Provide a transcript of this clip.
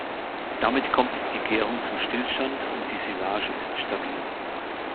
Damit kommt die Gärung zum Stillstand und die Silage ist stabil.